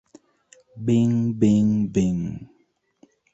Bing, Bing, Bing!